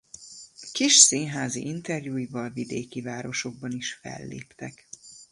Kis színházi interjúival vidéki városokban is felléptek.